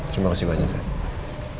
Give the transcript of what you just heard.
terima kasih banyak kak